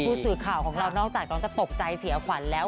ผู้สื่อข่าวของเรานอกจากน้องจะตกใจเสียขวัญแล้ว